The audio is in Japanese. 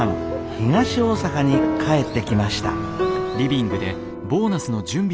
東大阪に帰ってきました。